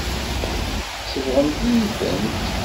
Sebɣent-iyi-tent.